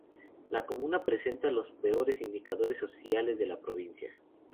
La comuna presenta los peores indicadores sociales de la Provincia.